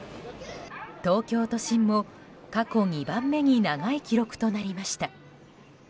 東京都心も過去２番目に長い記録となりました。